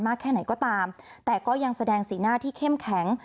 แค่ไหนก็ตามแต่ก็ยังแสดงสีหน้าที่เข้มแข็ง